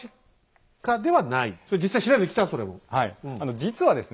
実はですね